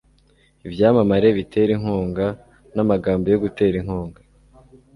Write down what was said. ibyamamare bitera inkunga n'amagambo yo gutera inkunga